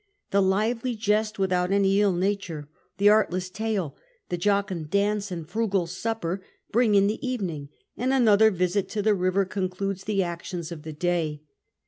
The lively jest without any ill nature, the artless tale, the jocund dance, and frugal supper bring in the evening, and another visit to the river concludes the actions of the day.